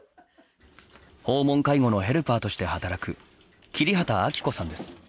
訪問介護のヘルパーとして働く桐畑秋子さんです。